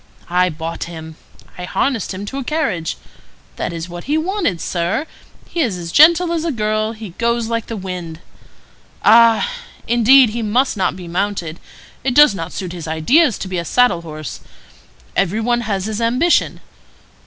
I bought him. I harnessed him to a carriage. That is what he wanted, sir; he is as gentle as a girl; he goes like the wind. Ah! indeed he must not be mounted. It does not suit his ideas to be a saddle horse. Every one has his ambition.